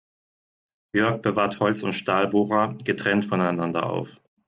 Jörg bewahrt Holz- und Stahlbohrer getrennt voneinander auf.